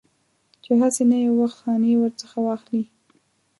چې هسې نه یو وخت خاني ورڅخه واخلي.